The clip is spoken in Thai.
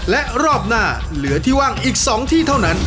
และรอบหน้าเหลือที่ว่างอีก๒ที่เท่านั้น